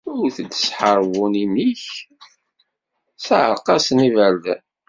Ewt-d s tḥeṛbunin-ik, sseɛreq-asen iberdan!